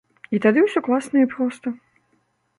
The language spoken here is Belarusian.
І тады ўсё класна і проста.